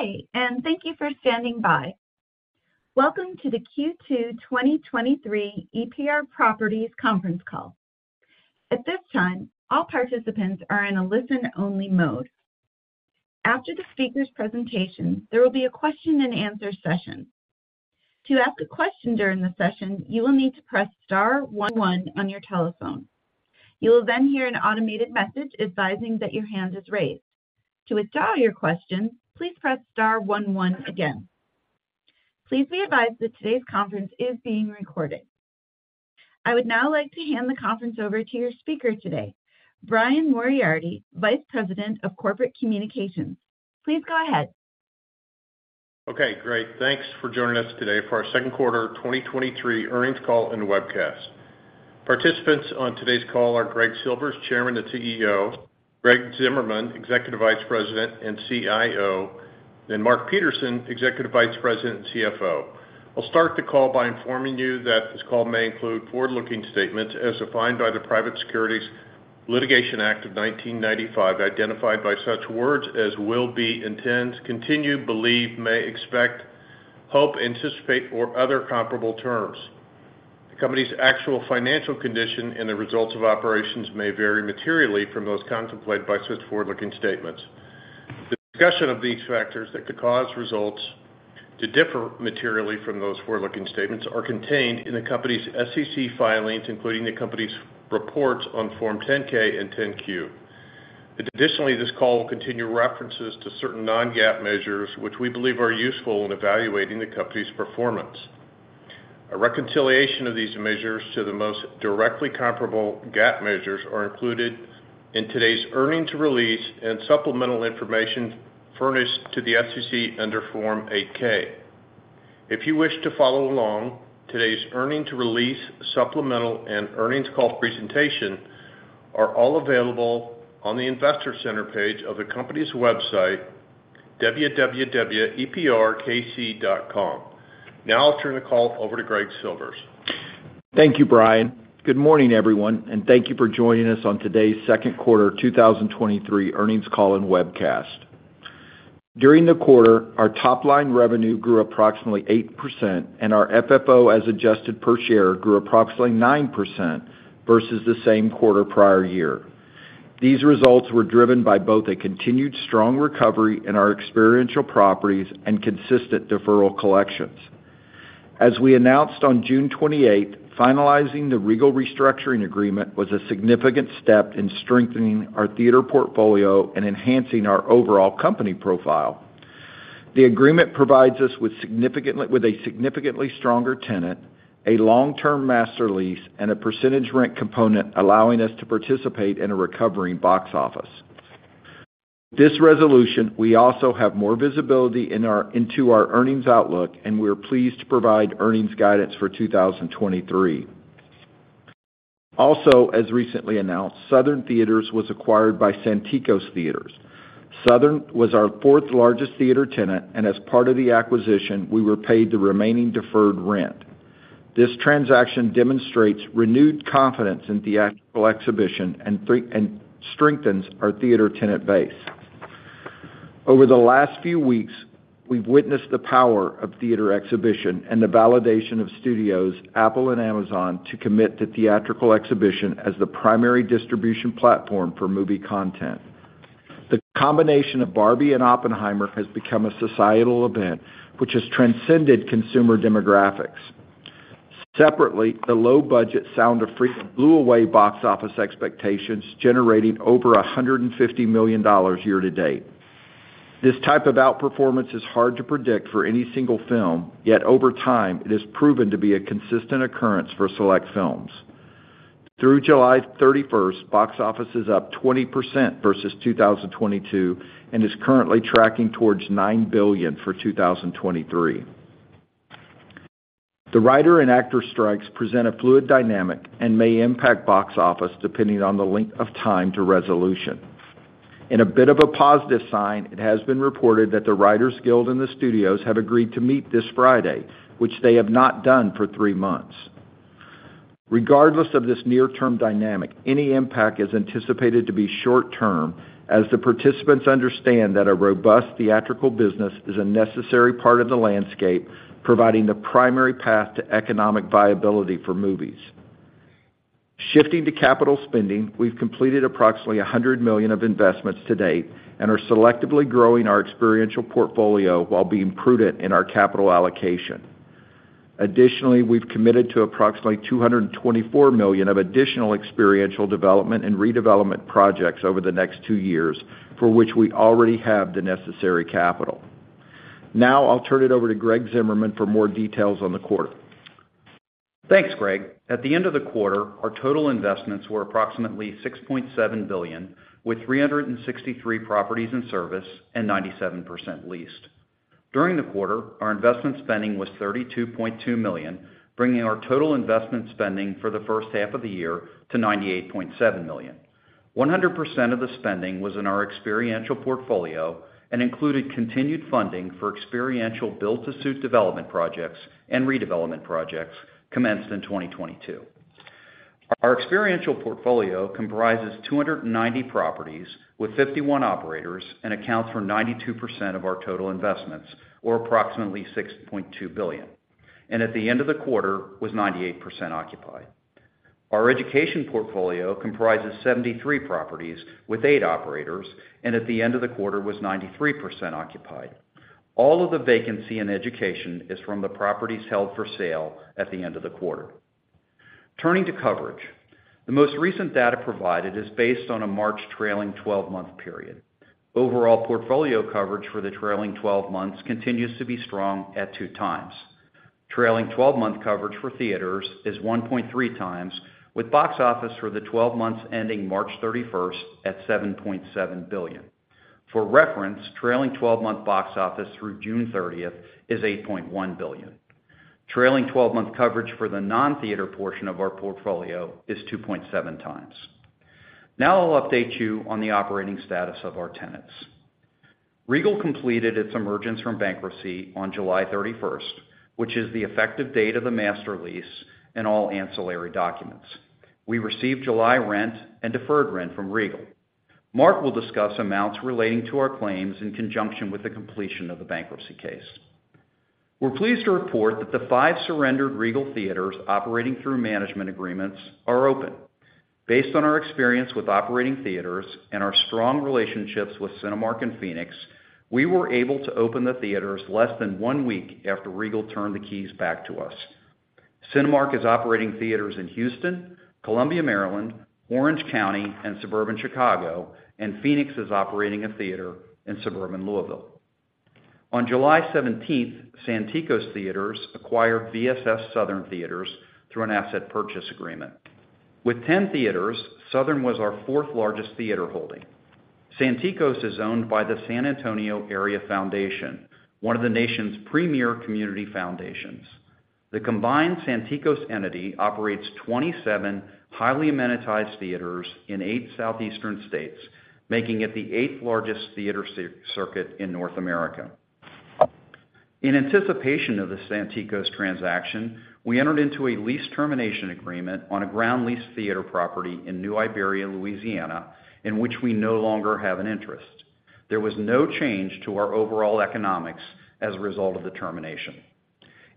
Good day, thank you for standing by. Welcome to the Q2 2023 EPR Properties Conference Call. At this time, all participants are in a listen-only mode. After the speaker's presentation, there will be a question-and-answer session. To ask a question during the session, you will need to press star one one on your telephone. You will hear an automated message advising that your hand is raised. To withdraw your question, please press star one one again. Please be advised that today's conference is being recorded. I would now like to hand the conference over to your speaker today, Brian Moriarty, Vice President, Corporate Communications. Please go ahead. Okay, great. Thanks for joining us today for our Second Quarter 2023 Earnings Call and Webcast. Participants on today's call are Greg Silvers, Chairman and CEO, Greg Zimmerman, Executive Vice President and CIO, and Mark Peterson, Executive Vice President and CFO. I'll start the call by informing you that this call may include forward-looking statements as defined by the Private Securities Litigation Act of 1995, identified by such words as will, be, intends, continue, believe, may, expect, hope, anticipate, or other comparable terms. The company's actual financial condition and the results of operations may vary materially from those contemplated by such forward-looking statements. The discussion of these factors that could cause results to differ materially from those forward-looking statements are contained in the company's SEC filings, including the company's reports on Form 10-K and Form 10-Q. Additionally, this call will continue references to certain non-GAAP measures, which we believe are useful in evaluating the company's performance. A reconciliation of these measures to the most directly comparable GAAP measures are included in today's earnings release and supplemental information furnished to the SEC under Form 8-K. If you wish to follow along, today's earnings release, supplemental, and earnings call presentation are all available on the Investor Center page of the company's website, www.eprkc.com. Now I'll turn the call over to Greg Silvers. Thank you, Brian. Good morning, everyone, and thank you for joining us on today's Second Quarter 2023 Earnings Call and Webcast. During the quarter, our top-line revenue grew approximately 8%, and our FFO, as adjusted per share, grew approximately 9% versus the same quarter prior year. These results were driven by both a continued strong recovery in our experiential properties and consistent deferral collections. As we announced on June 28, finalizing the Regal restructuring agreement was a significant step in strengthening our theater portfolio and enhancing our overall company profile. The agreement provides us with a significantly stronger tenant, a long-term master lease, and a percentage rent component, allowing us to participate in a recovering box office. This resolution, we also have more visibility into our earnings outlook, and we are pleased to provide earnings guidance for 2023. As recently announced, Southern Theatres was acquired by Santikos Theatres. Southern was our fourth-largest theater tenant, and as part of the acquisition, we were paid the remaining deferred rent. This transaction demonstrates renewed confidence in theatrical exhibition and strengthens our theater tenant base. Over the last few weeks, we've witnessed the power of theater exhibition and the validation of studios, Apple and Amazon, to commit to theatrical exhibition as the primary distribution platform for movie content. The combination of Barbie and Oppenheimer has become a societal event, which has transcended consumer demographics. Separately, the low-budget Sound of Freedom blew away box office expectations, generating over $150 million year-to-date. This type of outperformance is hard to predict for any single film, yet over time, it has proven to be a consistent occurrence for select films. Through July 31st, box office is up 20% versus 2022 and is currently tracking towards $9 billion for 2023. The writer and actor strikes present a fluid dynamic and may impact box office, depending on the length of time to resolution. In a bit of a positive sign, it has been reported that the Writers Guild and the studios have agreed to meet this Friday, which they have not done for three months. Regardless of this near-term dynamic, any impact is anticipated to be short-term, as the participants understand that a robust theatrical business is a necessary part of the landscape, providing the primary path to economic viability for movies. Shifting to capital spending, we've completed approximately $100 million of investments to date and are selectively growing our experiential portfolio while being prudent in our capital allocation. Additionally, we've committed to approximately $224 million of additional experiential development and redevelopment projects over the next two years, for which we already have the necessary capital. Now I'll turn it over to Greg Zimmerman for more details on the quarter. Thanks, Greg. At the end of the quarter, our total investments were approximately $6.7 billion, with 363 properties in service and 97% leased. During the quarter, our investment spending was $32.2 million, bringing our total investment spending for the first half of the year to $98.7 million. 100% of the spending was in our experiential portfolio and included continued funding for experiential build-to-suit development projects and redevelopment projects commenced in 2022. Our experiential portfolio comprises 290 properties with 51 operators and accounts for 92% of our total investments, or approximately $6.2 billion, and at the end of the quarter, was 98% occupied. Our education portfolio comprises 73 properties with eight operators, and at the end of the quarter was 93% occupied. All of the vacancy in education is from the properties held for sale at the end of the quarter. Turning to coverage, the most recent data provided is based on a March trailing 12-month period. Overall portfolio coverage for the trailing 12 months continues to be strong at 2x. Trailing 12-month coverage for theaters is 1.3x, with box office for the 12 months ending March 31st at $7.7 billion. For reference, trailing 12-month box office through June 30th is $8.1 billion. Trailing 12-month coverage for the non-theater portion of our portfolio is 2.7x. I'll update you on the operating status of our tenants. Regal completed its emergence from bankruptcy on July 31st, which is the effective date of the master lease and all ancillary documents. We received July rent and deferred rent from Regal. Mark will discuss amounts relating to our claims in conjunction with the completion of the bankruptcy case. We're pleased to report that the five surrendered Regal theaters operating through management agreements are open. Based on our experience with operating theaters and our strong relationships with Cinemark and Phoenix, we were able to open the theaters less than one week after Regal turned the keys back to us. Cinemark is operating theaters in Houston, Columbia, Maryland, Orange County, and suburban Chicago, and Phoenix is operating a theater in suburban Louisville. On July 17th, Santikos Theatres acquired VSS-Southern Theatres through an asset purchase agreement. With 10 theaters, Southern was our fourth-largest theater holding. Santikos is owned by the San Antonio Area Foundation, one of the nation's premier community foundations. The combined Santikos entity operates 27 highly amenitized theaters in eight southeastern states, making it the eight-largest theater circuit in North America. In anticipation of the Santikos transaction, we entered into a lease termination agreement on a ground lease theater property in New Iberia, Louisiana, in which we no longer have an interest. There was no change to our overall economics as a result of the termination.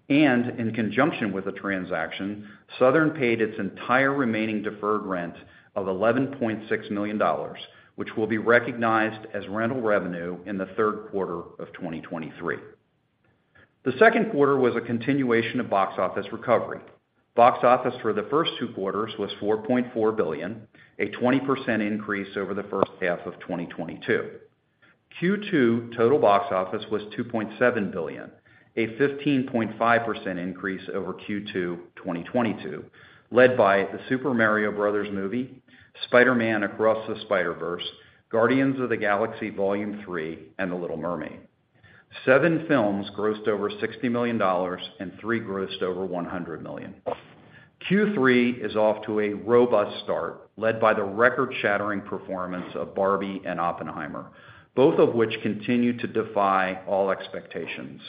In conjunction with the transaction, Southern paid its entire remaining deferred rent of $11.6 million, which will be recognized as rental revenue in the third quarter of 2023. The second quarter was a continuation of box office recovery. Box office for the first two quarters was $4.4 billion, a 20% increase over the first half of 2022. Q2 total box office was $2.7 billion, a 15.5% increase over Q2 2022, led by The Super Mario Bros. Movie, Spider-Man: Across the Spider-Verse, Guardians of the Galaxy Vol. 3, and The Little Mermaid. Seven films grossed over $60 million, and three grossed over $100 million. Q3 is off to a robust start, led by the record-shattering performance of Barbie and Oppenheimer, both of which continue to defy all expectations,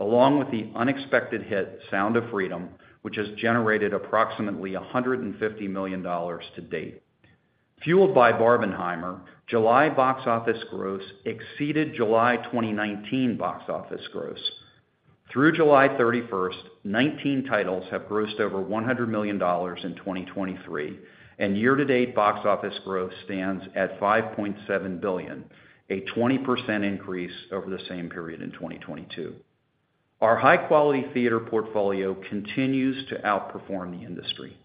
along with the unexpected hit, Sound of Freedom, which has generated approximately $150 million to date. Fueled by Barbenheimer, July box office gross exceeded July 2019 box office gross. Through July 31st, 19 titles have grossed over $100 million in 2023, and year-to-date box office growth stands at $5.7 billion, a 20% increase over the same period in 2022. Our high-quality theater portfolio continues to outperform the industry.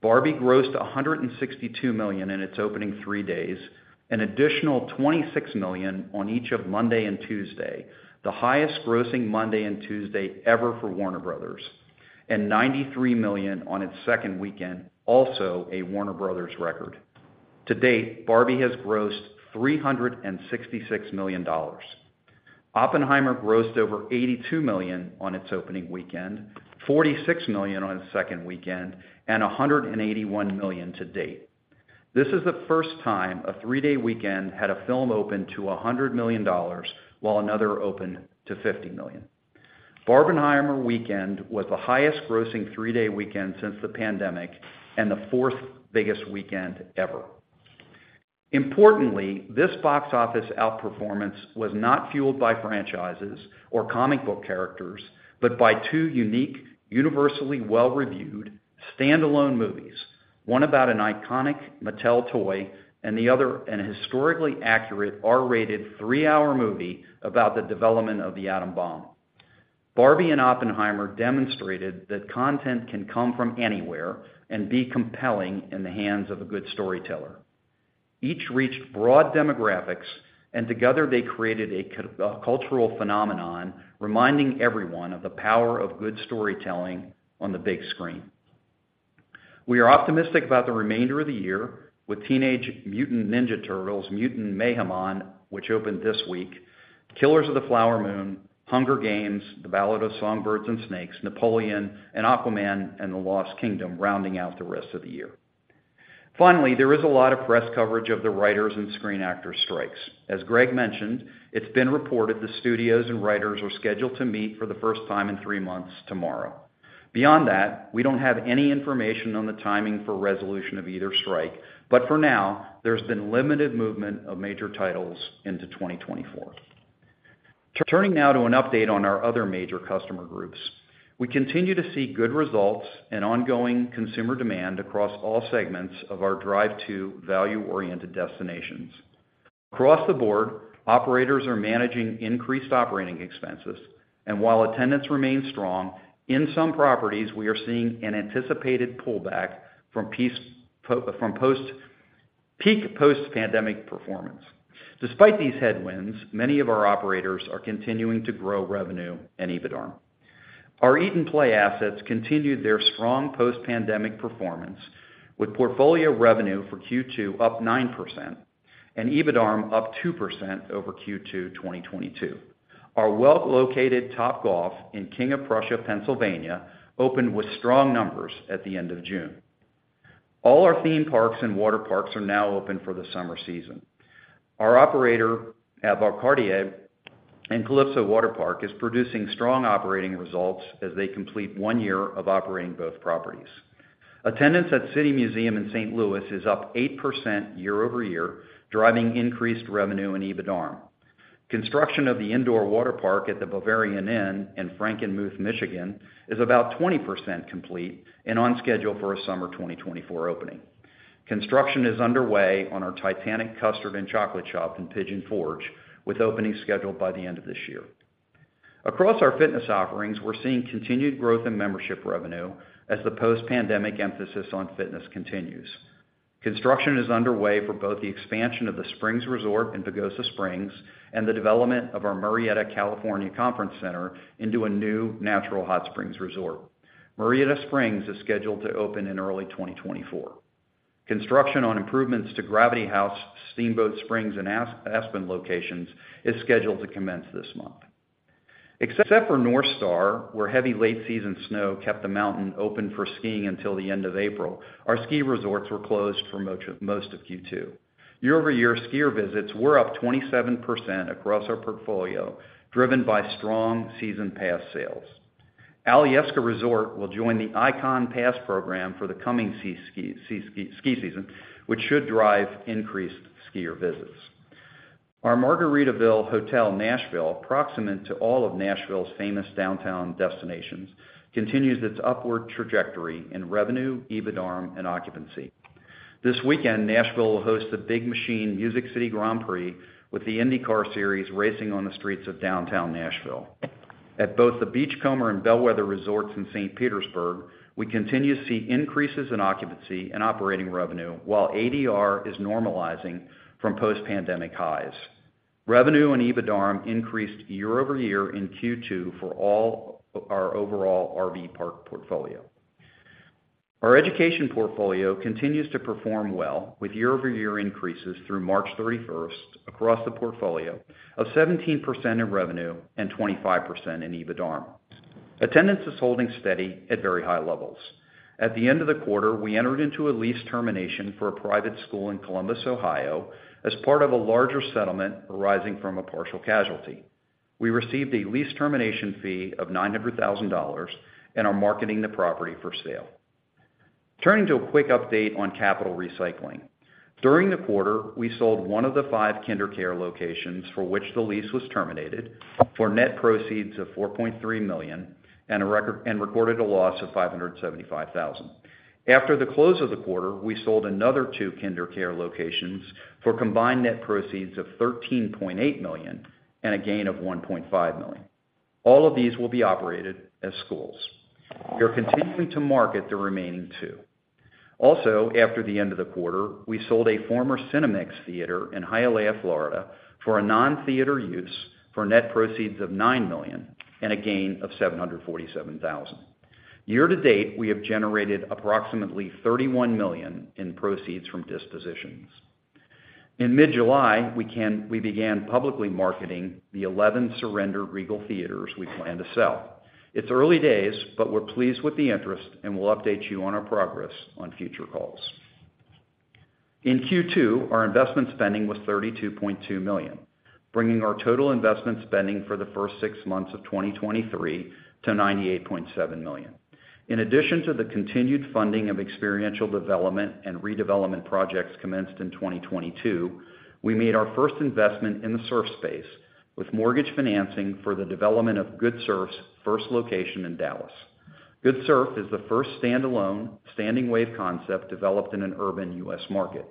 Barbie grossed $162 million in its opening three days, an additional $26 million on each of Monday and Tuesday, the highest grossing Monday and Tuesday ever for Warner Bros., and $93 million on its second weekend, also a Warner Bros. record. To date, Barbie has grossed $366 million. Oppenheimer grossed over $82 million on its opening weekend, $46 million on its second weekend, and $181 million to date. This is the first time a three-day weekend had a film open to $100 million, while another opened to $50 million. Barbenheimer weekend was the highest grossing three-day weekend since the pandemic and the fourth biggest weekend ever. Importantly, this box office outperformance was not fueled by franchises or comic book characters, but by two unique, universally well-reviewed, standalone movies, one about an iconic Mattel toy and the other, an historically accurate, R-rated, three-hour movie about the development of the atom bomb. Barbie and Oppenheimer demonstrated that content can come from anywhere and be compelling in the hands of a good storyteller. Each reached broad demographics, and together they created a cultural phenomenon, reminding everyone of the power of good storytelling on the big screen. We are optimistic about the remainder of the year with Teenage Mutant Ninja Turtles: Mutant Mayhem on, which opened this week, Killers of the Flower Moon, Hunger Games: The Ballad of Songbirds & Snakes, Napoleon, and Aquaman and the Lost Kingdom rounding out the rest of the year. Finally, there is a lot of press coverage of the writers and screen actors strikes. As Greg mentioned, it's been reported the studios and writers are scheduled to meet for the first time in three months tomorrow. Beyond that, we don't have any information on the timing for resolution of either strike, but for now, there's been limited movement of major titles into 2024. Turning now to an update on our other major customer groups. We continue to see good results and ongoing consumer demand across all segments of our drive to value-oriented destinations. Across the board, operators are managing increased operating expenses, and while attendance remains strong, in some properties, we are seeing an anticipated pullback from peak post-pandemic performance. Despite these headwinds, many of our operators are continuing to grow revenue and EBITDARM. Our Eat & Play assets continued their strong post-pandemic performance, with portfolio revenue for Q2 up 9% and EBITDARM up 2% over Q2 2022. Our well-located Topgolf in King of Prussia, Pennsylvania, opened with strong numbers at the end of June. All our theme parks and water parks are now open for the summer season. Our operator at Valcartier and Calypso Waterpark is producing strong operating results as they complete one year of operating both properties. Attendance at City Museum in St. Louis is up 8% year-over-year, driving increased revenue and EBITDARM. Construction of the indoor water park at the Bavarian Inn in Frankenmuth, Michigan, is about 20% complete and on schedule for a summer 2024 opening. Construction is underway on our Titanic Custard and Chocolate Shop in Pigeon Forge, with opening scheduled by the end of this year. Across our fitness offerings, we're seeing continued growth in membership revenue as the post-pandemic emphasis on fitness continues. Construction is underway for both the expansion of The Springs Resort in Pagosa Springs and the development of our Murrieta California Conference Center into a new natural hot springs resort. Murrieta Springs is scheduled to open in early 2024. Construction on improvements to Gravity Haus, Steamboat Springs and Aspen locations is scheduled to commence this month. Except for Northstar, where heavy late season snow kept the mountain open for skiing until the end of April, our ski resorts were closed for most of Q2. Year-over-year, skier visits were up 27% across our portfolio, driven by strong season pass sales. Alyeska Resort will join the Ikon Pass program for the coming ski season, which should drive increased skier visits. Our Margaritaville Hotel, Nashville, proximate to all of Nashville's famous downtown destinations, continues its upward trajectory in revenue, EBITDARM, and occupancy. This weekend, Nashville will host the Big Machine Music City Grand Prix, with the INDYCAR series racing on the streets of downtown Nashville. At both the Beachcomber and Bellwether Resorts in St. Petersburg, we continue to see increases in occupancy and operating revenue, while ADR is normalizing from post-pandemic highs. Revenue and EBITDARM increased year-over-year in Q2 for all our overall RV park portfolio. Our education portfolio continues to perform well, with year-over-year increases through March 31st across the portfolio of 17% in revenue and 25% in EBITDARM. Attendance is holding steady at very high levels. At the end of the quarter, we entered into a lease termination for a private school in Columbus, Ohio, as part of a larger settlement arising from a partial casualty. We received a lease termination fee of $900,000 and are marketing the property for sale. To a quick update on capital recycling. During the quarter, we sold one of the five KinderCare locations for which the lease was terminated, for net proceeds of $4.3 million and recorded a loss of $575,000. After the close of the quarter, we sold another two KinderCare locations for combined net proceeds of $13.8 million and a gain of $1.5 million. All of these will be operated as schools. We are continuing to market the remaining two. Also, after the end of the quarter, we sold a former Cinemark theater in Hialeah, Florida, for a non-theater use for net proceeds of $9 million and a gain of $747,000. Year-to-date, we have generated approximately $31 million in proceeds from dispositions. In mid-July, we began publicly marketing the 11 surrendered Regal theaters we plan to sell. It's early days, but we're pleased with the interest, and we'll update you on our progress on future calls. In Q2, our investment spending was $32.2 million, bringing our total investment spending for the first sixnmonths of 2023 to $98.7 million. In addition to the continued funding of experiential development and redevelopment projects commenced in 2022, we made our first investment in the surf space, with mortgage financing for the development of GoodSurf's first location in Dallas. GoodSurf is the first standalone standing wave concept developed in an urban U.S. market.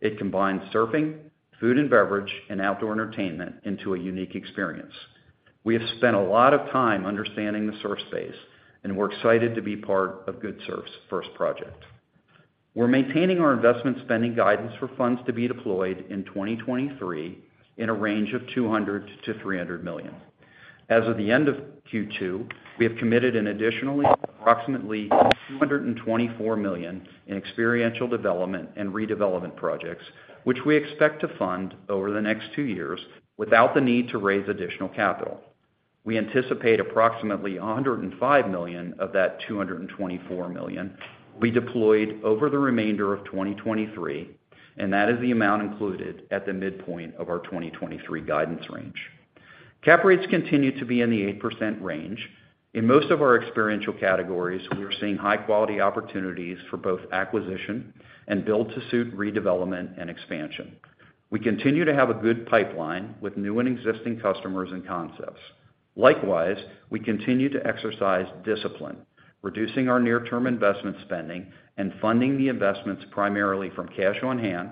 It combines surfing, food and beverage, and outdoor entertainment into a unique experience. We have spent a lot of time understanding the surf space. We're excited to be part of GoodSurf's first project. We're maintaining our investment spending guidance for funds to be deployed in 2023 in a range of $200 million-$300 million. As of the end of Q2, we have committed an additionally, approximately $224 million in experiential development and redevelopment projects, which we expect to fund over the next two years without the need to raise additional capital. We anticipate approximately $105 million of that $224 million will be deployed over the remainder of 2023. That is the amount included at the midpoint of our 2023 guidance range. Cap rates continue to be in the 8% range. In most of our experiential categories, we are seeing high-quality opportunities for both acquisition and build-to-suit redevelopment and expansion. We continue to have a good pipeline with new and existing customers and concepts. Likewise, we continue to exercise discipline, reducing our near-term investment spending and funding the investments primarily from cash on hand,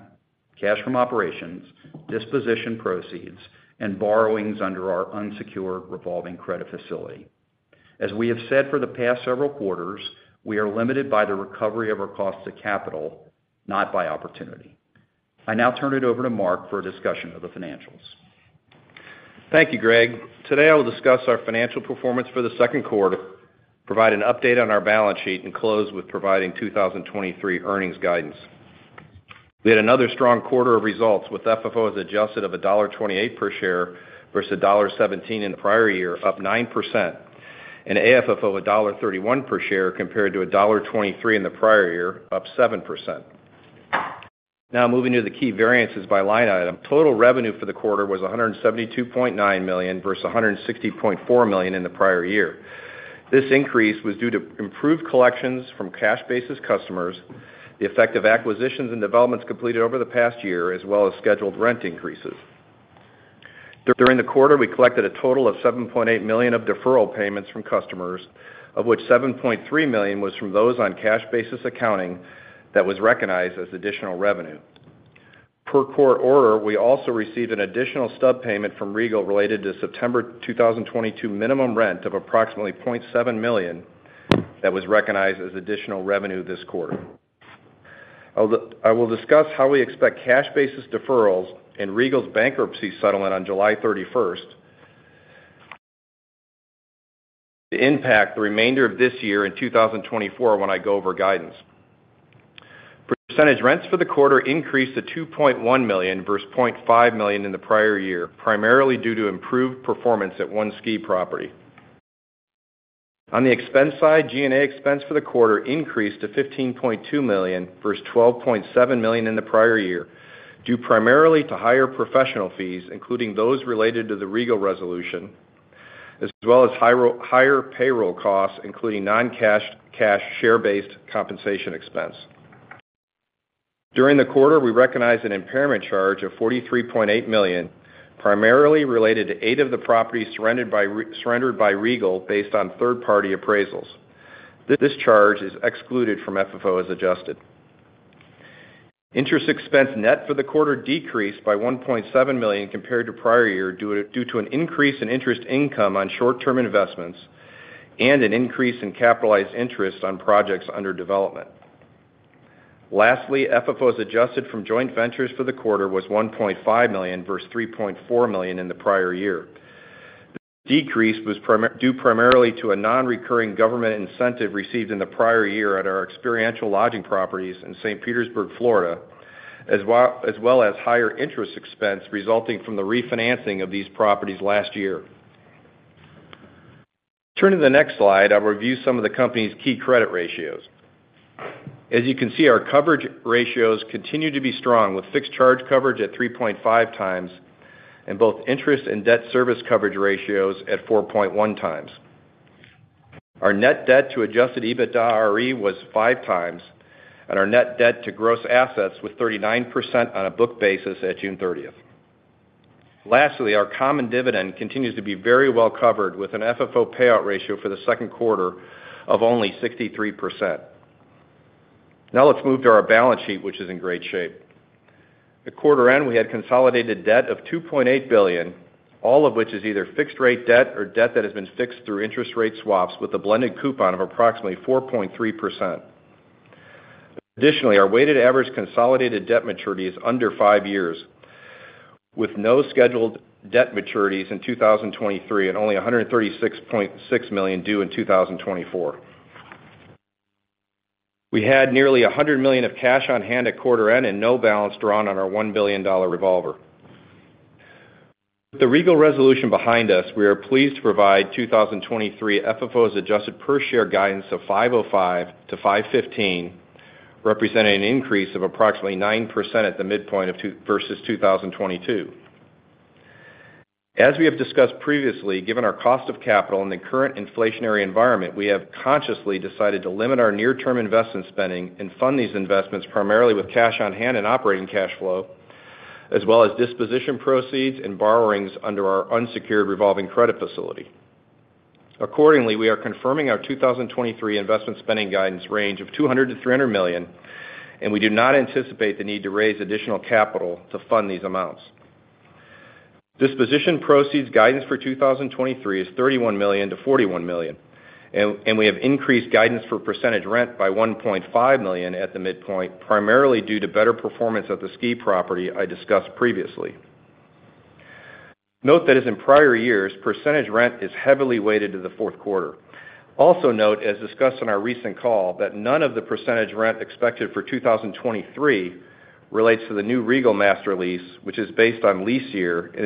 cash from operations, disposition proceeds, and borrowings under our unsecured revolving credit facility. As we have said for the past several quarters, we are limited by the recovery of our cost to capital, not by opportunity. I now turn it over to Mark for a discussion of the financials. Thank you, Greg. Today, I will discuss our financial performance for the second quarter, provide an update on our balance sheet, and close with providing 2023 earnings guidance. We had another strong quarter of results, with FFO as adjusted of $1.28 per share versus $1.17 in the prior year, up 9%, and AFFO $1.31 per share compared to $1.23 in the prior year, up 7%. Moving to the key variances by line item. Total revenue for the quarter was $172.9 million versus $160.4 million in the prior year. This increase was due to improved collections from cash basis customers, the effect of acquisitions and developments completed over the past year, as well as scheduled rent increases. During the quarter, we collected a total of $7.8 million of deferral payments from customers, of which $7.3 million was from those on cash basis accounting that was recognized as additional revenue. Per court order, we also received an additional stub payment from Regal related to September 2022 minimum rent of approximately $700,000 that was recognized as additional revenue this quarter. I will discuss how we expect cash basis deferrals and Regal's bankruptcy settlement on July 31st, to impact the remainder of this year in 2024 when I go over guidance. Percentage rents for the quarter increased to $2.1 million versus $500,000 in the prior year, primarily due to improved performance at one ski property. On the expense side, G&A expense for the quarter increased to $15.2 million versus $12.7 million in the prior year, due primarily to higher professional fees, including those related to the Regal resolution, as well as higher payroll costs, including non-cash share-based compensation expense. During the quarter, we recognized an impairment charge of $43.8 million, primarily related to eight of the properties surrendered by Regal based on third-party appraisals. This charge is excluded from FFO as adjusted. Interest expense net for the quarter decreased by $1.7 million compared to prior year, due to an increase in interest income on short-term investments and an increase in capitalized interest on projects under development. Lastly, FFO as adjusted from joint ventures for the quarter was $1.5 million versus $3.4 million in the prior year. The decrease was due primarily to a non-recurring government incentive received in the prior year at our experiential lodging properties in St. Petersburg, Florida, as well as higher interest expense resulting from the refinancing of these properties last year. Turning to the next slide, I'll review some of the company's key credit ratios. As you can see, our coverage ratios continue to be strong, with fixed charge coverage at 3.5x, both interest and debt service coverage ratios at 4.1x. Our net debt to adjusted EBITDAre was 5x, our net debt to gross assets was 39% on a book basis at June 30th. Lastly, our common dividend continues to be very well covered, with an FFO payout ratio for the second quarter of only 63%. Now let's move to our balance sheet, which is in great shape. At quarter end, we had consolidated debt of $2.8 billion, all of which is either fixed-rate debt or debt that has been fixed through interest rate swaps with a blended coupon of approximately 4.3%. Additionally, our weighted average consolidated debt maturity is under five years, with no scheduled debt maturities in 2023 and only $136.6 million due in 2024. We had nearly $100 million of cash on hand at quarter end and no balance drawn on our $1 billion revolver. With the Regal resolution behind us, we are pleased to provide 2023 FFOs adjusted per share guidance of $5.05-$5.15, representing an increase of approximately 9% at the midpoint versus 2022. As we have discussed previously, given our cost of capital in the current inflationary environment, we have consciously decided to limit our near-term investment spending and fund these investments primarily with cash on hand and operating cash flow, as well as disposition proceeds and borrowings under our unsecured revolving credit facility. Accordingly, we are confirming our 2023 investment spending guidance range of $200 million-$300 million. We do not anticipate the need to raise additional capital to fund these amounts. Disposition proceeds guidance for 2023 is $31 million-$41 million. We have increased guidance for percentage rent by $1.5 million at the midpoint, primarily due to better performance of the ski property I discussed previously. Note that as in prior years, percentage rent is heavily weighted to the fourth quarter. Also note, as discussed on our recent call, that none of the percentage rent expected for 2023, relates to the new Regal master lease, which is based on lease year and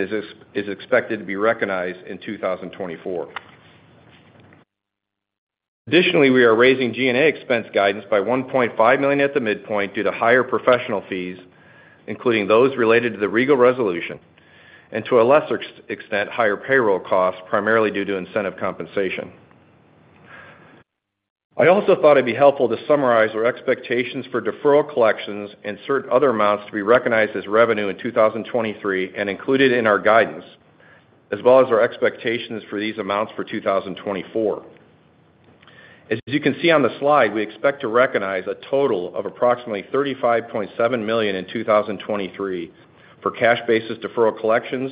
is expected to be recognized in 2024. Additionally, we are raising G&A expense guidance by $1.5 million at the midpoint due to higher professional fees, including those related to the Regal resolution, and to a lesser extent, higher payroll costs, primarily due to incentive compensation. I also thought it'd be helpful to summarize our expectations for deferral collections and certain other amounts to be recognized as revenue in 2023, and included in our guidance, as well as our expectations for these amounts for 2024. As you can see on the slide, we expect to recognize a total of approximately $35.7 million in 2023 for cash basis deferral collections,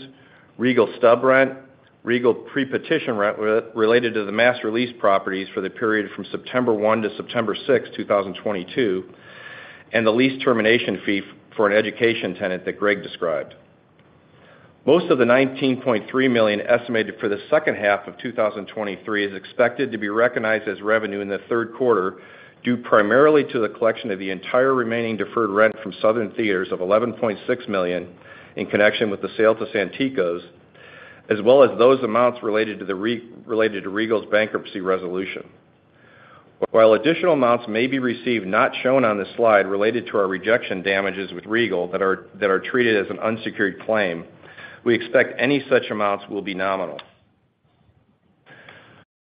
Regal stub rent, Regal pre-petition rent related to the master lease properties for the period from September 1 to September 6, 2022, and the lease termination fee for an education tenant that Greg described. Most of the $19.3 million estimated for the second half of 2023 is expected to be recognized as revenue in the third quarter, due primarily to the collection of the entire remaining deferred rent from Southern Theatres of $11.6 million, in connection with the sale to Santikos, as well as those amounts related to the related to Regal's bankruptcy resolution. While additional amounts may be received, not shown on this slide, related to our rejection damages with Regal, that are, that are treated as an unsecured claim, we expect any such amounts will be nominal.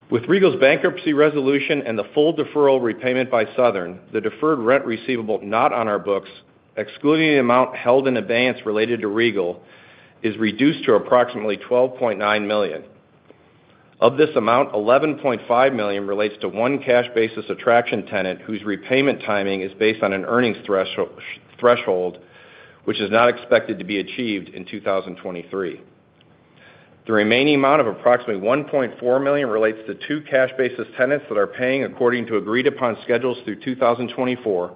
With Regal's bankruptcy resolution and the full deferral repayment by Southern, the deferred rent receivable not on our books, excluding the amount held in advance related to Regal, is reduced to approximately $12.9 million. Of this amount, $11.5 million relates to one cash basis attraction tenant, whose repayment timing is based on an earnings threshold, which is not expected to be achieved in 2023. The remaining amount of approximately $1.4 million relates to two cash basis tenants that are paying according to agreed-upon schedules through 2024,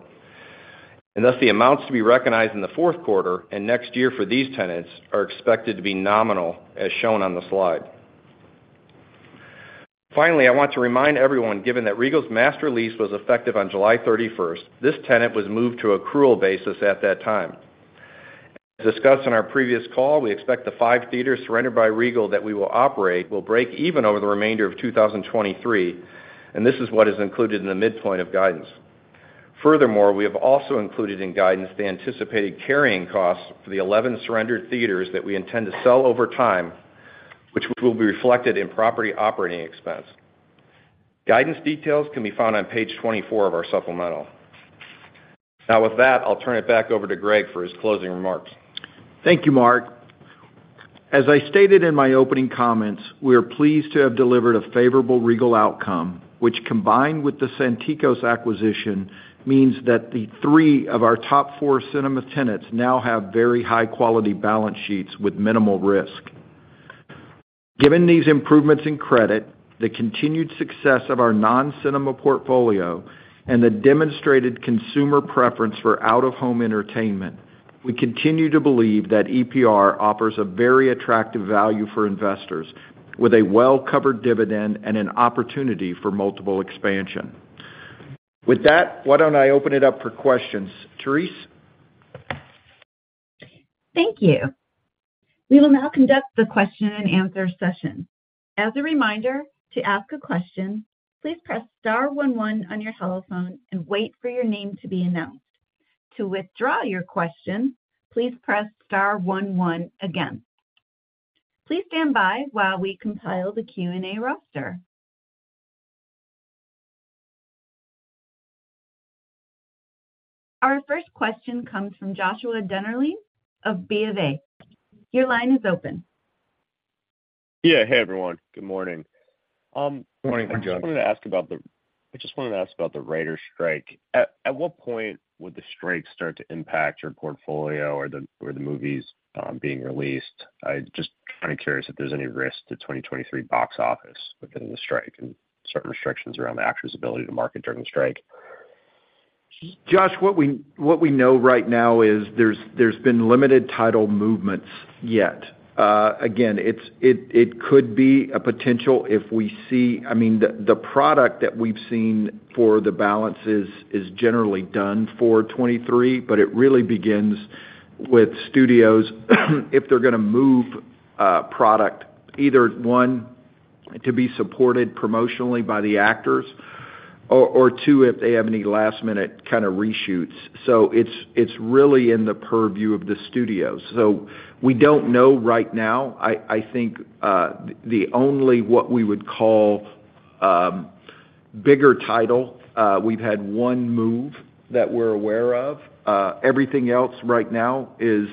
and thus, the amounts to be recognized in the fourth quarter and next year for these tenants are expected to be nominal, as shown on the slide. Finally, I want to remind everyone, given that Regal's master lease was effective on July 31st, this tenant was moved to accrual basis at that time. As discussed on our previous call, we expect the five theaters surrendered by Regal that we will operate, will break even over the remainder of 2023, and this is what is included in the midpoint of guidance. Furthermore, we have also included in guidance the anticipated carrying costs for the 11 surrendered theaters that we intend to sell over time, which will be reflected in property operating expense. Guidance details can be found on page 24 of our supplemental. Now, with that, I'll turn it back over to Greg for his closing remarks. Thank you, Mark. As I stated in my opening comments, we are pleased to have delivered a favorable Regal outcome, which, combined with the Santikos acquisition, means that the three of our top four cinema tenants now have very high-quality balance sheets with minimal risk. Given these improvements in credit, the continued success of our non-cinema portfolio, and the demonstrated consumer preference for out-of-home entertainment, we continue to believe that EPR offers a very attractive value for investors, with a well-covered dividend and an opportunity for multiple expansion. With that, why don't I open it up for questions. Therese? Thank you. We will now conduct the question and answer session. As a reminder, to ask a question, please press star one one on your telephone and wait for your name to be announced. To withdraw your question, please press star one one again. Please stand by while we compile the Q&A roster. Our first question comes from Joshua Dennerlein of BofA. Your line is open. Yeah. Hey, everyone. Good morning. Good morning, Josh. I just wanted to ask about the Writers' strike. At what point would the strike start to impact your portfolio or the movies being released? I'm just kind of curious if there's any risk to 2023 box office within the strike and certain restrictions around the actors' ability to market during the strike. Josh, what we know right now is there's been limited title movements yet. again, it could be a potential if we see—I mean, the product that we've seen for the balances is generally done for 2023, but it really begins with studios, if they're gonna move product, either, one, to be supported promotionally by the actors, or two, if they have any last-minute kind of reshoots. It’s really in the purview of the studios. we don't know right now. I think, the only what we would call bigger title, we've had one move that we're aware of everything else right now is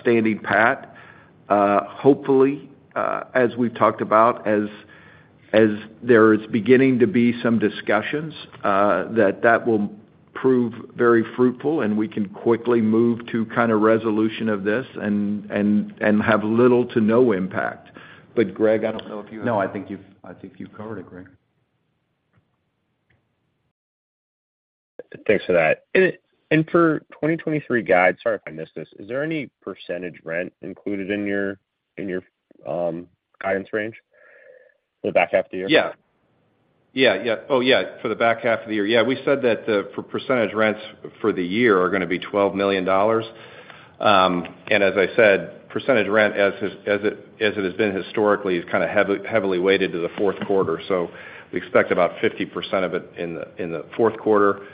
[steady pat]. Hopefully, as we've talked about, as there is beginning to be some discussions, that will prove very fruitful, and we can quickly move to kind of resolution of this and have little to no impact. Greg, I don't know if you. No, I think you've, I think you've covered it, Greg. Thanks for that. And for 2023 guide, sorry if I missed this, is there any percentage rent included in your guidance range for the back half of the year? Yeah, yeah. Oh, yeah, for the back half of the year. Yeah, we said that the, for percentage rents for the year are gonna be $12 million. And as I said, percentage rent, as it has been historically, is kind of heavily weighted to the fourth quarter. We expect about 50% of it in the fourth quarter,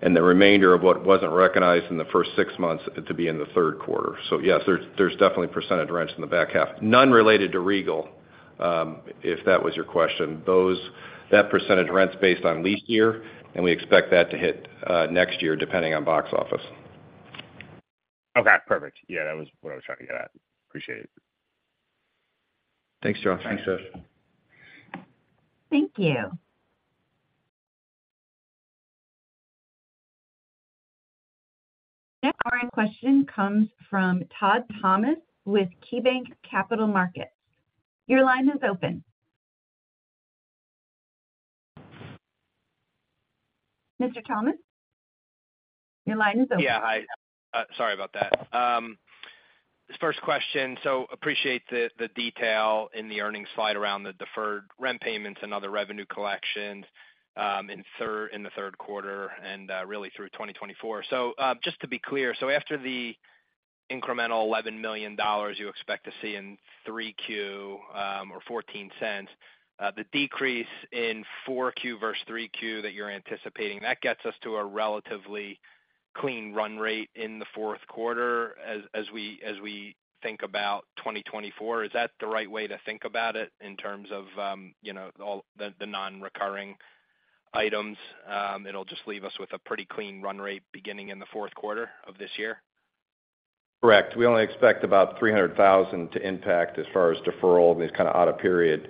and the remainder of what wasn't recognized in the first six months, to be in the third quarter. Yes, there's definitely percentage rents in the back half. None related to Regal, if that was your question. That percentage rent's based on lease year, and we expect that to hit next year, depending on box office. Okay, perfect. That was what I was trying to get at. Appreciate it. Thanks, Josh. Thanks, Josh. Thank you. Next our question comes from Todd Thomas, with KeyBanc Capital Markets. Your line is open. Mr. Thomas, your line is open. Yeah, hi. Sorry about that. This first question, appreciate the detail in the earnings slide around the deferred rent payments and other revenue collections in the third quarter and really through 2024. Just to be clear, after the incremental $11 million you expect to see in 3Q, or $0.14, the decrease in 4Q versus 3Q that you're anticipating, that gets us to a relatively clean run rate in the fourth quarter as we think about 2024. Is that the right way to think about it in terms of, you know, all the non-recurring items? It'll just leave us with a pretty clean run rate beginning in the fourth quarter of this year? Correct. We only expect about $300,000 to impact as far as deferral and these kind of out of period,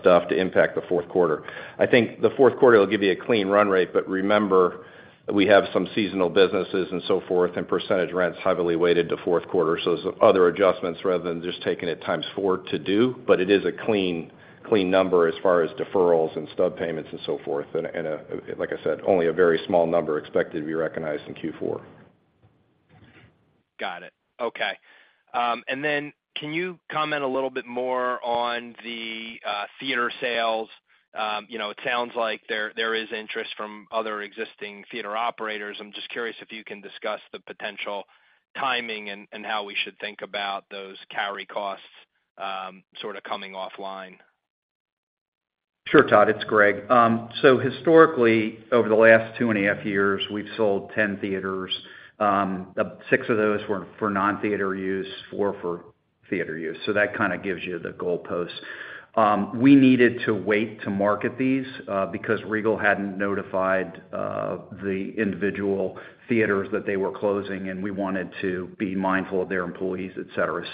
stuff to impact the fourth quarter. I think the fourth quarter will give you a clean run rate, but remember, we have some seasonal businesses and so forth, and percentage rent is heavily weighted to fourth quarter. There's other adjustments, rather than just taking it 4x to do, but it is a clean, clean number as far as deferrals and stub payments and so forth. Like I said, only a very small number expected to be recognized in Q4. Got it. Okay. Can you comment a little bit more on the theater sales? You know, it sounds like there is interest from other existing theater operators, I'm just curious if you can discuss the potential timing and how we should think about those carry costs, sort of coming offline. Sure, Todd, it's Greg. Historically, over the last 2.5 years, we've sold 10 theaters. Six of those were for non-theater use, four for theater use. That kind of gives you the goalpost. We needed to wait to market these because Regal hadn't notified the individual theaters that they were closing, and we wanted to be mindful of their employees, et cetera.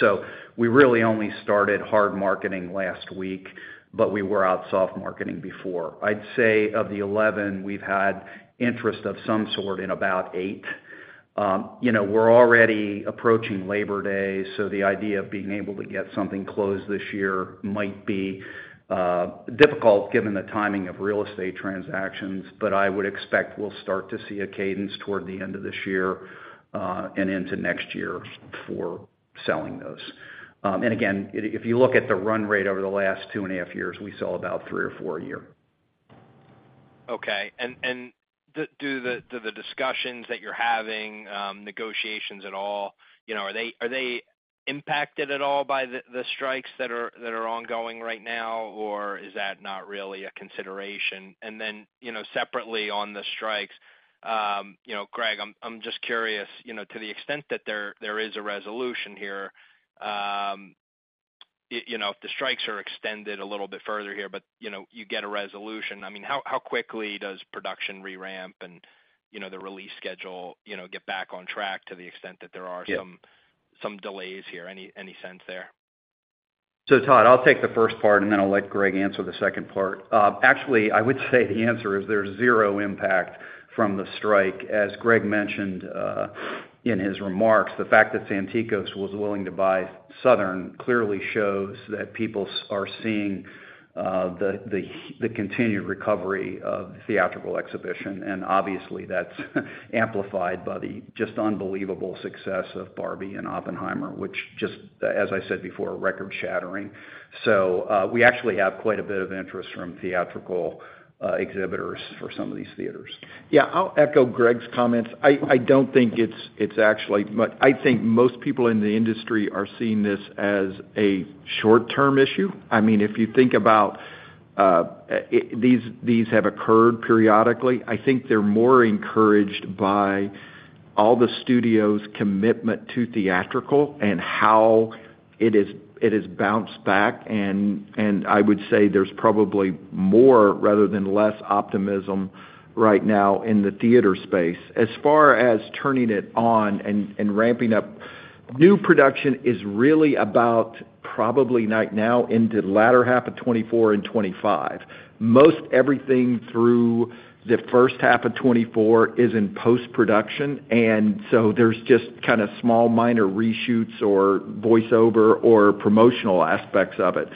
We really only started hard marketing last week, but we were out soft marketing before. I'd say of the 11, we've had interest of some sort in about eight. You know, we're already approaching Labor Day. The idea of being able to get something closed this year might be difficult given the timing of real estate transactions. I would expect we'll start to see a cadence toward the end of this year and into next year for selling those. Again, if you look at the run rate over the last two and a half years, we saw about three or four a year. Okay. Do the discussions that you're having, negotiations at all, you know, are they impacted at all by the strikes that are ongoing right now, or is that not really a consideration? Then, you know, separately on the strikes, you know, Greg, I'm just curious, you know, to the extent that there is a resolution here, if the strikes are extended a little bit further here, but, you know, you get a resolution, I mean, how quickly does production re-ramp and, you know, the release schedule, you know, get back on track to the extent that there are some delays here? Any sense there? Todd, I'll take the first part, and then I'll let Greg answer the second part. Actually, I would say the answer is there's zero impact from the strike. As Greg mentioned, in his remarks, the fact that Santikos was willing to buy Southern clearly shows that people are seeing the continued recovery of theatrical exhibition, and obviously, that's amplified by the just unbelievable success of Barbie and Oppenheimer, which just, as I said before, are record-shattering. We actually have quite a bit of interest from theatrical exhibitors for some of these theaters. Yeah, I'll echo Greg's comments. I think most people in the industry are seeing this as a short-term issue. I mean, if you think about these, these have occurred periodically, I think they're more encouraged by all the studio's commitment to theatrical and how it is—it has bounced back, and I would say there's probably more rather than less optimism right now in the theater space. As far as turning it on and, and ramping up new production is really about probably right now into the latter half of 2024 and 2025. Most everything through the first half of 2024 is in post-production, and so there's just kind of small, minor reshoots or voiceover or promotional aspects of it.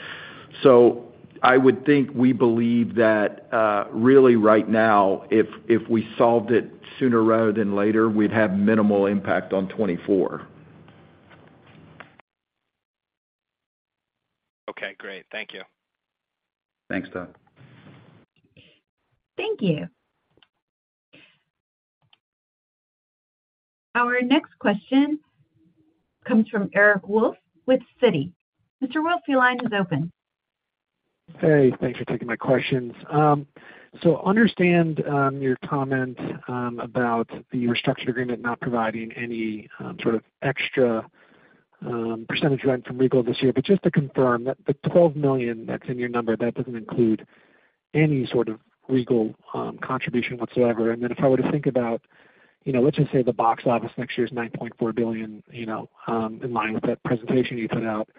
I would think we believe that, really right now, if we solved it sooner rather than later, we'd have minimal impact on 2024. Okay, great. Thank you. Thanks, Todd. Thank you. Our next question comes from Eric Wolfe with Citi. Mr. Wolfe, your line is open. Hey, thanks for taking my questions. Understand your comment about the restructure agreement not providing any sort of extra percentage rent from Regal this year. Just to confirm that the $12 million that's in your number, that doesn't include any sort of Regal contribution whatsoever. If I were to think about, you know, let's just say the box office next year is $9.4 billion, you know, in line with that presentation you put out.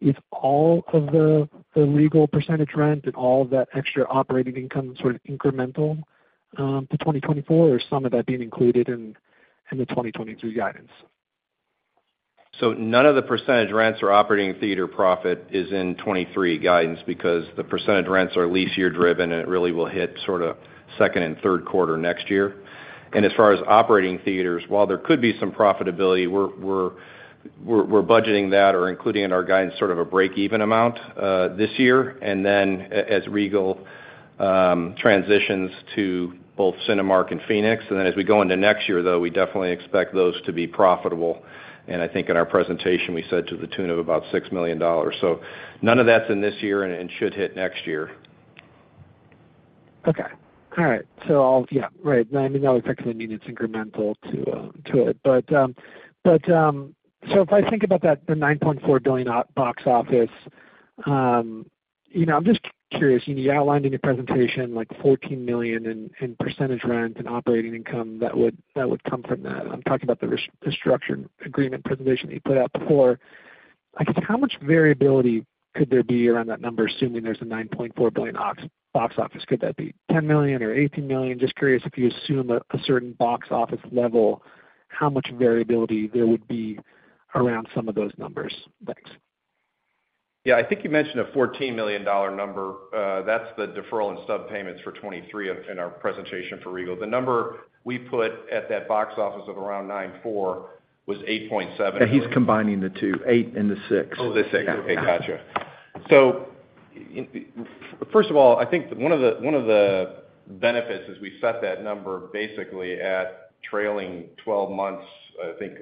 Is all of the Regal percentage rent and all of that extra operating income sort of incremental to 2024, or some of that being included in the 2023 guidance? None of the percentage rents or operating theater profit is in 2023 guidance, because the percentage rents are lease year-driven, and it really will hit sort of second and third quarter next year. As far as operating theaters, while there could be some profitability, we're budgeting that or including in our guidance, sort of a break-even amount this year. Then as Regal transitions to both Cinemark and Phoenix, and then as we go into next year, though, we definitely expect those to be profitable. I think in our presentation, we said to the tune of about $6 million. None of that's in this year and should hit next year. Okay. All right. I'll. Yeah, right. I mean, that would technically mean it's incremental to it. If I think about that, the $9.4 billion box office, you know, I'm just curious, you outlined in your presentation, like, $14 million in percentage rent and operating income that would come from that. I'm talking about the structured agreement presentation that you put out before. Like, how much variability could there be around that number, assuming there's a $9.4 billion box office? Could that be $10 million or $18 million? Just curious if you assume a certain box office level, how much variability there would be around some of those numbers. Thanks. Yeah. I think you mentioned a $14 million number. That's the deferral and sub payments for 2023 in our presentation for Regal. The number we put at that box office of around 9.4 was 8.7. Yeah, he's combining the two, 8 and the 6. Oh, the 6. Yeah. Okay, gotcha. First of all, I think one of the, one of the benefits is we set that number basically at trailing 12 months, I think,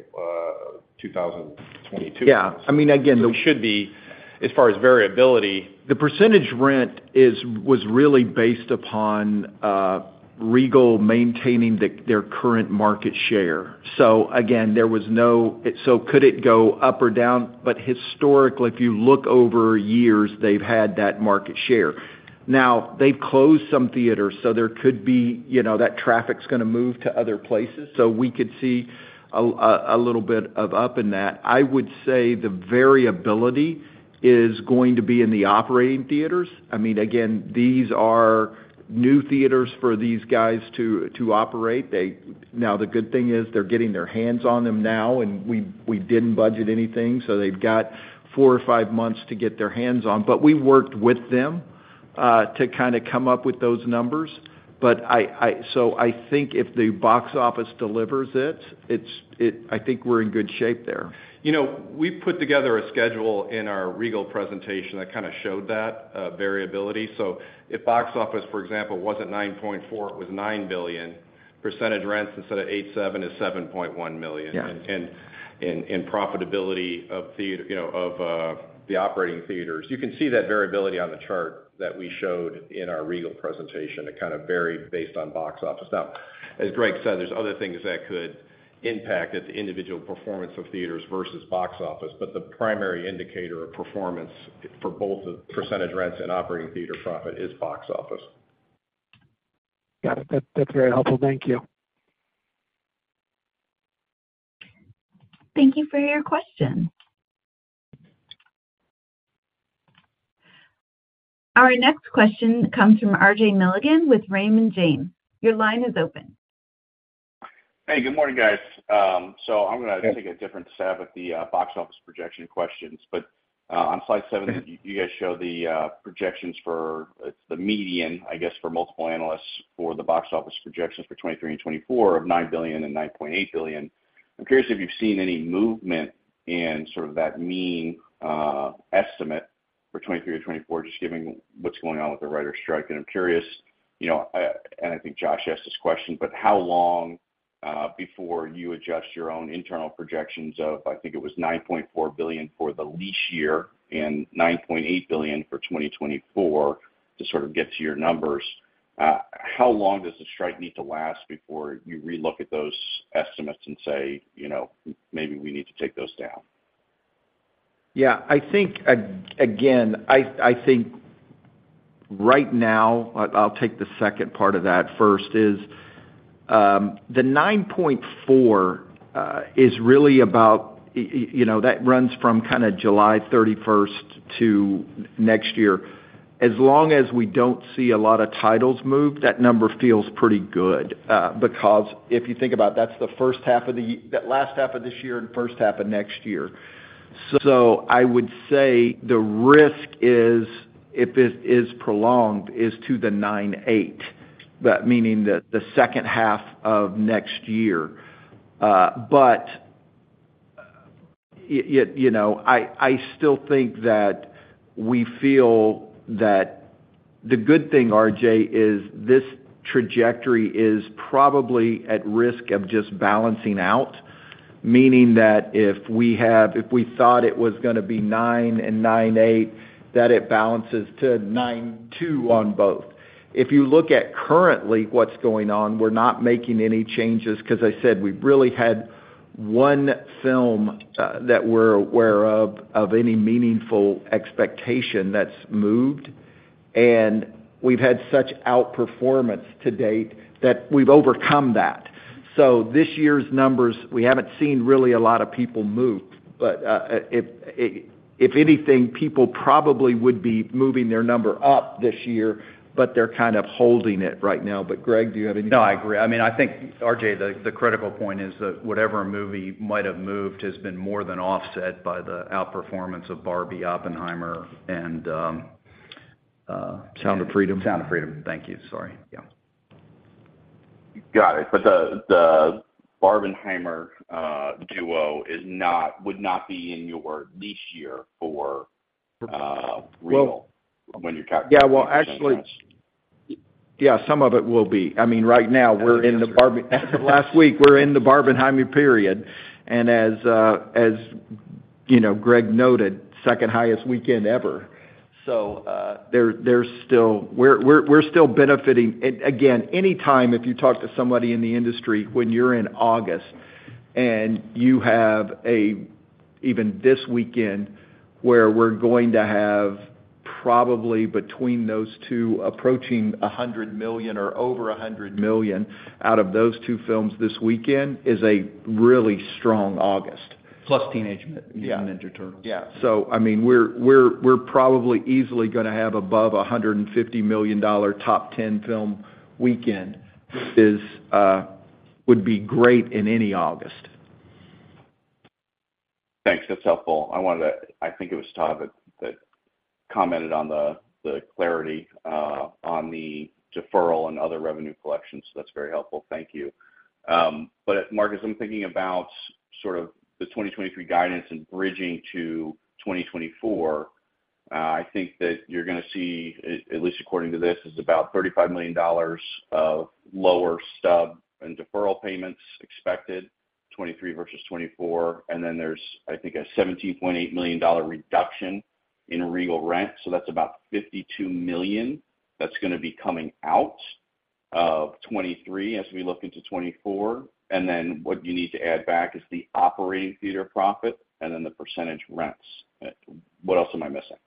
2022. Yeah. I mean, again it should be, as far as variability. The percentage rent is—was really based upon Regal maintaining their current market share. Again, there was no— it go up or down? Historically, if you look over years, they've had that market share. Now, they've closed some theaters, so there could be, you know, that traffic's gonna move to other places. We could see a little bit of up in that. I would say the variability is going to be in the operating theaters. I mean, again, these are new theaters for these guys to operate. They—now, the good thing is, they're getting their hands on them now, and we didn't budget anything, so they've got four or five months to get their hands on. We worked with them to kind of come up with those numbers. I think if the box office delivers it, I think we're in good shape there. You know, we put together a schedule in our Regal presentation that kind of showed that variability. If box office, for example, wasn't $9.4 billion, it was $9 billion, percentage rents instead of $8.7 million is $7.1 million. Yeah. Profitability of theater, you know, of the operating theaters. You can see that variability on the chart that we showed in our Regal presentation. It kind of varied based on box office. Now, as Greg said, there's other things that could impact it, the individual performance of theaters versus box office, but the primary indicator of performance for both the percentage rents and operating theater profit is box office. Got it. That, that's very helpful. Thank you. Thank you for your question. Our next question comes from RJ Milligan with Raymond James. Your line is open. Hey, good morning, guys. Hey So I’m gonna take a different stab at the box office projection questions. On slide 7, you guys show the projections for the median, I guess, for multiple analysts for the box office projections for 2023 and 2024 of $9 billion and $9.8 billion. I'm curious if you've seen any movement in sort of that mean estimate for 2023 or 2024, just given what's going on with the writers' strike. I'm curious, you know, and I think Josh asked this question, but how long before you adjust your own internal projections of, I think it was $9.4 billion for the lease year and $9.8 billion for 2024, to sort of get to your numbers? How long does the strike need to last before you relook at those estimates and say, "You know, maybe we need to take those down? Yeah, I think again, I think right now,—I'll take the second part of that first—is, the $9.4 billion is really about. You know, that runs from kind of July 31st to next year. As long as we don't see a lot of titles move, that number feels pretty good, because if you think about it, that's the first half of the that last half of this year and first half of next year. I would say the risk is, if it is prolonged, is to the $9.8 billion. That meaning the, the second half of next year. You know, I still think that we feel that the good thing, RJ, this trajectory is probably at risk of just balancing out, meaning that if we thought it was gonna be $9 billion and $9.8 billion, that it balances to $9.2 billion on both. If you look at currently what's going on, we're not making any changes, 'cause I said we've really had one film that we're aware of, of any meaningful expectation that's moved, and we've had such outperformance to date that we've overcome that. This year's numbers, we haven't seen really a lot of people move, but if anything, people probably would be moving their number up this year, but they're kind of holding it right now. Greg, do you have anything? No, I agree. I mean, I think, RJ, the, the critical point is that whatever movie might have moved has been more than offset by the outperformance of Barbie, Oppenheimer, and Sound of Freedom? Sound of Freedom. Thank you. Sorry. Yeah. Got it. The, the Barbenheimer duo would not be in your niche year for real, when you're calculating? Yeah, well, actually. Yeah, some of it will be. I mean, right now, last week, we're in the Barbenheimer period. As you know, Greg noted, second-highest weekend ever. There's still, we're still benefiting. Again, anytime, if you talk to somebody in the industry, when you're in August and you have, even this weekend, where we're going to have probably between those two approaching $100 million or over $100 million out of those two films this weekend, is a really strong August. Plus Teenage. Yeah. Ninja Turtles. Yeah. I mean, we're probably easily gonna have above a $150 million top 10 film weekend, would be great in any August. Thanks. That's helpful. I wanted to—I think it was Todd that, that commented on the clarity on the deferral and other revenue collections, so that's very helpful. Thank you. Mark, I'm thinking about sort of the 2023 guidance and bridging to 2024. I think that you're gonna see, at least according to this, is about $35 million of lower stub and deferral payments expected, 2023 versus 2024. Then there's, I think, a $17.8 million reduction in Regal rent. That's about $52 million that's gonna be coming out of 2023 as we look into 2024. Then what you need to add back is the operating theater profit and then the percentage rents. What else am I missing?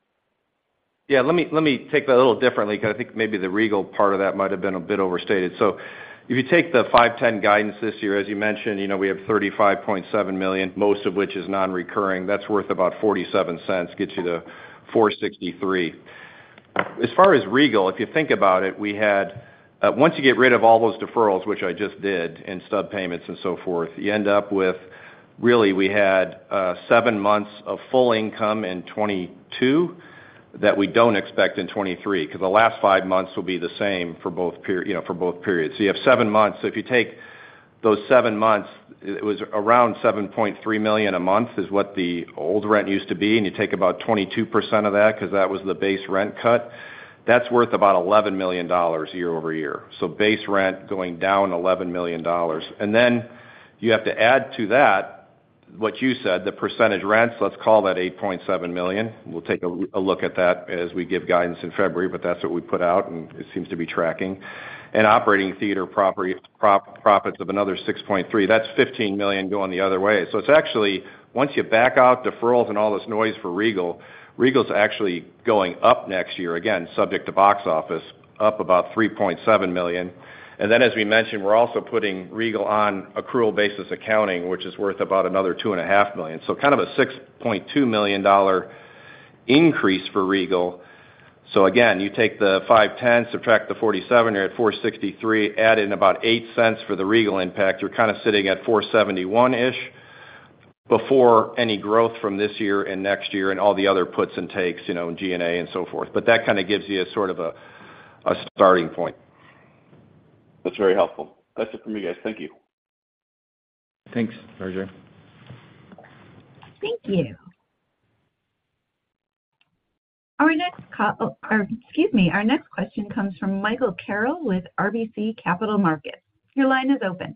Yeah, let me take that a little differently, 'cause I think maybe the Regal part of that might have been a bit overstated. If you take the 5/10 guidance this year, as you mentioned, you know, we have $35.7 million, most of which is non-recurring. That's worth about $0.47, gets you to $4.63. As far as Regal, if you think about it, we had—once you get rid of all those deferrals, which I just did, and stub payments and so forth, you end up with—really, we had, seven months of full income in 2022 that we don't expect in 2023, 'cause the last five months will be the same for both, you know, for both periods. You have seven months. If you take those seven months, it was around $7.3 million a month, is what the old rent used to be, and you take about 22% of that, 'cause that was the base rent cut. That's worth about $11 million year-over-year. Base rent going down $11 million. Then, you have to add to that, what you said, the percentage rents, let's call that $8.7 million. We'll take a look at that as we give guidance in February, but that's what we put out, and it seems to be tracking. Operating theater property profits of another $6.3 million, that's $15 million going the other way. It's actually, once you back out deferrals and all this noise for Regal, Regal's actually going up next year, again, subject to box office, up about $3.7 million. Then, as we mentioned, we're also putting Regal on accrual basis accounting, which is worth about another $2.5 million. Kind of a $6.2 million increase for Regal. Again, you take the $5.10, subtract the $0.47, you're at $4.63, add in about $0.08 for the Regal impact, you're kind of sitting at $4.71-ish, before any growth from this year and next year and all the other puts and takes, you know, G&A and so forth. That kind of gives you a sort of a starting point. That's very helpful. That's it for me, guys. Thank you. Thanks, RJ. Thank you. Our next question comes from Michael Carroll with RBC Capital Markets. Your line is open.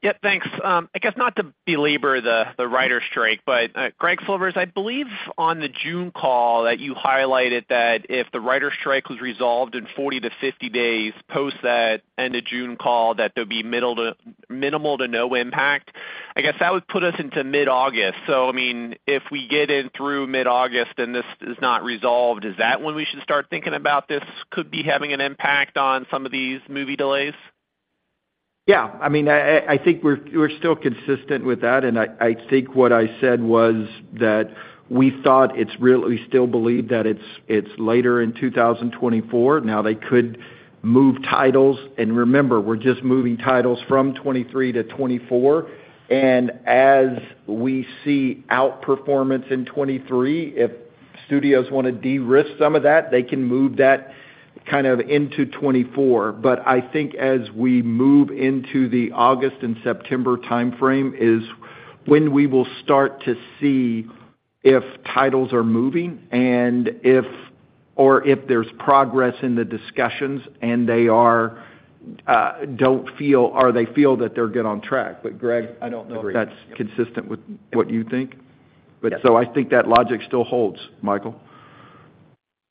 Yeah, thanks. I guess not to belabor the, the writer strike, but Greg Silvers, I believe on the June call, that you highlighted that if the writer strike was resolved in 40–50 days, post that end of June call, that there'd be minimal to no impact. I guess that would put us into mid-August. I mean, if we get in through mid-August and this is not resolved, is that when we should start thinking about this could be having an impact on some of these movie delays? Yeah, I mean, I think we're still consistent with that, and I think what I said was that we thought it's really—we still believe that it's later in 2024. Now, they could move titles. Remember, we're just moving titles from 2023 to 2024. As we see outperformance in 2023, if studios wanna de-risk some of that, they can move that kind of into 2024. I think as we move into the August and September timeframe, is when we will start to see if titles are moving, and if or if there's progress in the discussions, and they are—don't feel or they feel that they're good on track. Greg, I don't know if that's consistent with what you think. Yes. I think that logic still holds, Michael.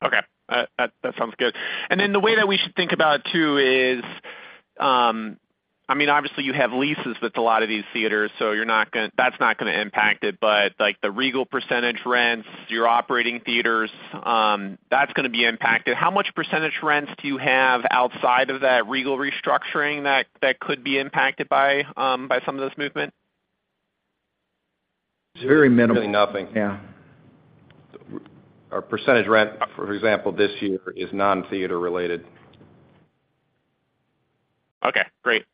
Okay. That sounds good. The way that we should think about it, too, is—I mean, obviously, you have leases with a lot of these theaters, so you're not gonna—that's not gonna impact it. Like, the Regal percentage rents, your operating theaters, that's gonna be impacted. How much percentage rents do you have outside of that Regal restructuring that could be impacted by some of this movement? Very minimal. Nothing. Yeah. Our percentage rent, for example, this year, is non-theater related. Okay, great.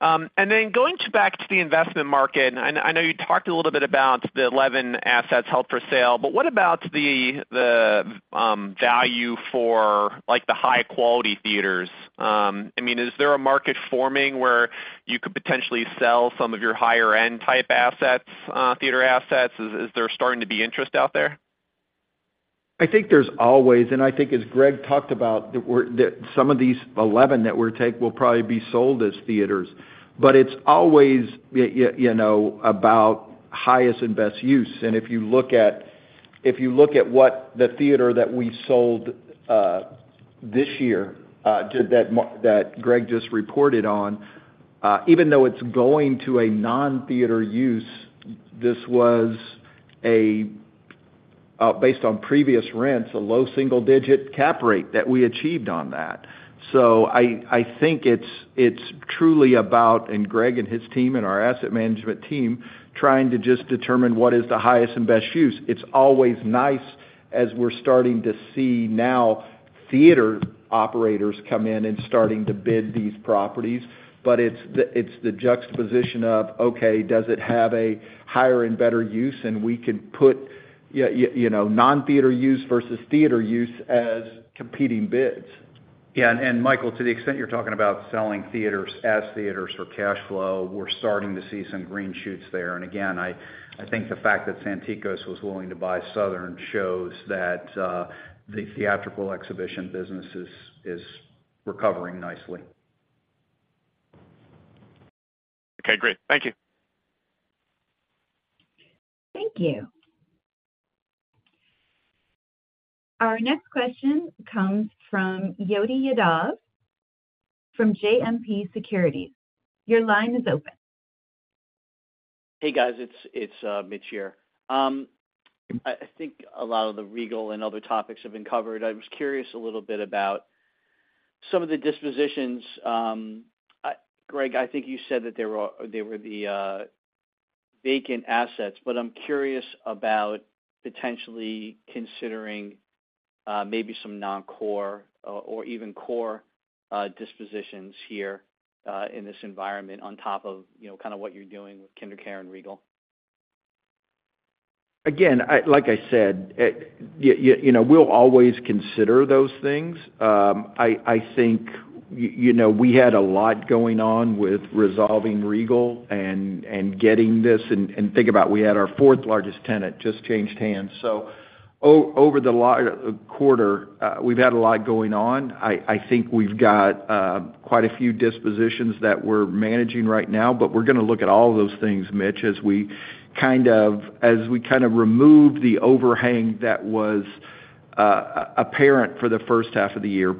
Then going to—back to the investment market, and I know you talked a little bit about the 11 assets held for sale, what about the, value for—like, the high-quality theaters? I mean, is there a market forming where you could potentially sell some of your higher-end type assets—theater assets? Is, is there starting to be interest out there? I think there's always, I think as Greg talked about, that some of these 11 that we're taking will probably be sold as theaters. It's always, you know, about highest and best use. If you look at—if you look at what the theater that we sold this year, that Greg just reported on, even though it's going to a non-theater use, this was based on previous rents, a low single-digit cap rate that we achieved on that. I think it's truly about—and Greg and his team and our asset management team, trying to just determine what is the highest and best use. It's always nice, as we're starting to see now theater operators come in and starting to bid these properties, but it's the juxtaposition of, okay, does it have a higher and better use? We can put you know, non-theater use versus theater use as competing bids. Yeah, and Michael, to the extent you're talking about selling theaters as theaters for cash flow, we're starting to see some green shoots there. Again, I think the fact that Santikos was willing to buy Southern shows that the theatrical exhibition business is, is recovering nicely. Okay, great. Thank you. Thank you. Our next question comes from Jyoti Yadav, from JMP Securities. Your line is open. Hey, guys, it's, it's Mitch here. I think a lot of the Regal and other topics have been covered. I was curious a little bit about some of the dispositions. Greg, I think you said that there were the vacant assets, but I'm curious about potentially considering maybe some non-core or even core dispositions here in this environment on top of, you know, kinda what you're doing with KinderCare and Regal. Again, like I said, you know, we'll always consider those things. I think, you know, we had a lot going on with resolving Regal and getting this, and think about, we had our fourth largest tenant just changed hands. Over the quarter, we've had a lot going on. I think we've got quite a few dispositions that we're managing right now, but we're gonna look at all of those things, Mitch, as we kind of remove the overhang that was apparent for the first half of the year.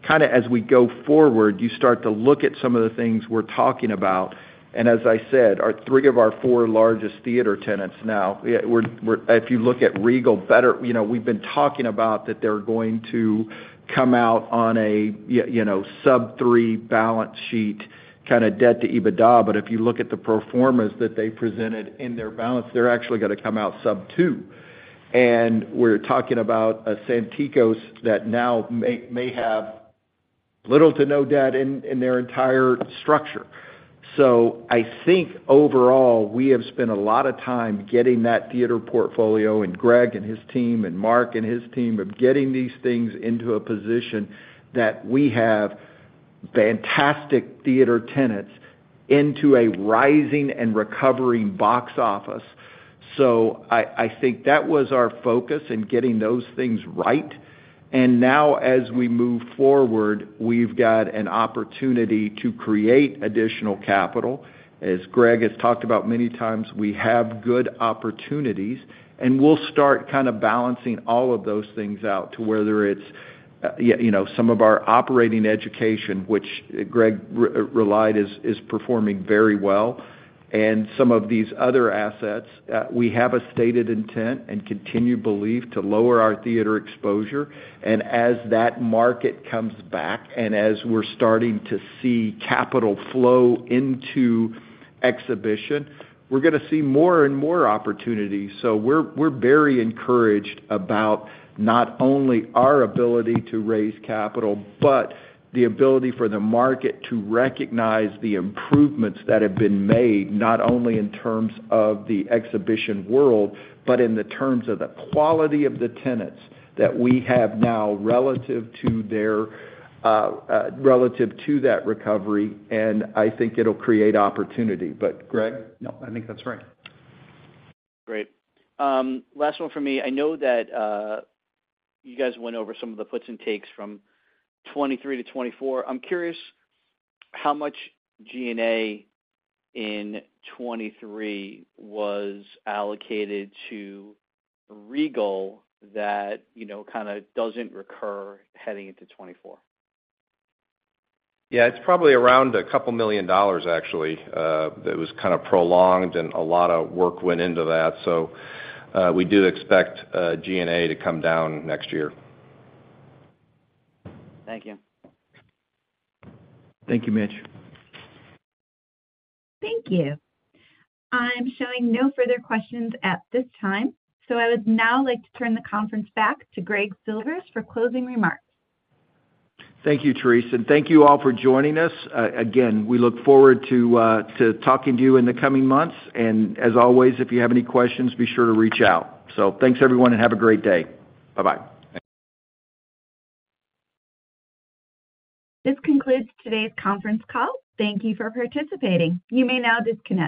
Kinda as we go forward, you start to look at some of the things we're talking about, and as I said, our three of our four largest theater tenants now. If you look at Regal better—you know, we've been talking about that they're going to come out on a you know, Sub 3 balance sheet, kinda debt to EBITDA. If you look at the pro formas that they presented in their balance, they're actually gonna come out Sub 2. We're talking about a Santikos that now may have little to no debt in their entire structure. I think overall, we have spent a lot of time getting that theater portfolio, and Greg and his team, and Mark and his team, of getting these things into a position that we have fantastic theater tenants into a rising and recovering box office.I think that was our focus in getting those things right. Now as we move forward, we've got an opportunity to create additional capital. As Greg has talked about many times, we have good opportunities, and we'll start kind of balancing all of those things out to whether it's, you know, some of our operating education, which Greg relied, is performing very well, and some of these other assets. We have a stated intent and continued belief to lower our theater exposure. As that market comes back, and as we're starting to see capital flow into exhibition, we're gonna see more and more opportunities. We're, we're very encouraged about not only our ability to raise capital, but the ability for the market to recognize the improvements that have been made, not only in terms of the exhibition world, but in the terms of the quality of the tenants that we have now, relative to that recovery, and I think it'll create opportunity. Greg? No, I think that's right. Great. last one for me. I know that, you guys went over some of the puts and takes from 2023–2024. I'm curious how much G&A in 2023 was allocated to Regal that, you know, kinda doesn't recur heading into 2024? Yeah, it's probably around a couple million dollars, actually, that was kind of prolonged, and a lot of work went into that. We do expect G&A to come down next year. Thank you. Thank you, Mitch. Thank you. I'm showing no further questions at this time, so I would now like to turn the conference back to Greg Silvers for closing remarks. Thank you, Therese, and thank you all for joining us. Again, we look forward to talking to you in the coming months. As always, if you have any questions, be sure to reach out. Thanks, everyone, and have a great day. Bye-bye. This concludes today's conference call. Thank you for participating. You may now disconnect.